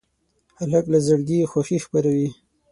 هلک له زړګي خوښي خپروي.